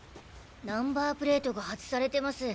ナンバープレートがはずされてます。